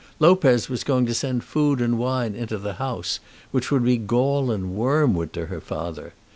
Lopez was going to send food and wine into the house, which would be gall and wormwood to her father.